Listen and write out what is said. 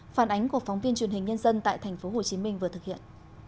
phản ánh của phóng viên truyền hình nhân dân tại tp hcm vừa thực hiện